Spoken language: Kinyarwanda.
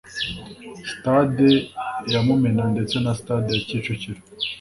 Stade ya Mumena ndetse na Stade ya Kicukiro